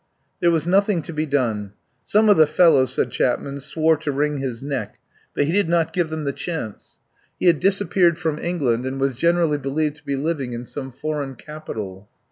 There was nothing to be done. Some of the fellows, said Chapman, swore to wring his neck, but he did not give them the chance. 117 THE POWER HOUSE He had disappeared from England, and was generally believed to be living in some for eign capital.